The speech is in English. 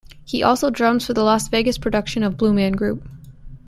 He also drums for the Las Vegas production of Blue Man Group.